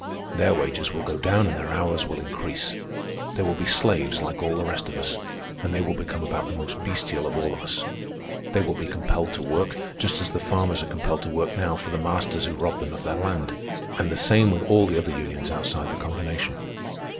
Their wages will go down and their hours will increase. They will be slaves like all the rest of us, and they will become about the most bestial of all of us. They will be compelled to work, just as the farmers are compelled to work now for the masters who robbed them of their land. And the same with all the other unions outside the combination.